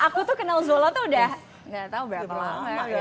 aku tuh kenal zola tuh udah gak tau berapa lama